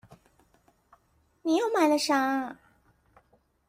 你又買了啥？